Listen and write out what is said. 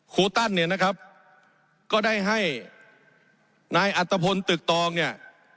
ครูตั้นเนี่ยนะครับก็ได้ให้นายอัตภพลตึกตองเนี่ย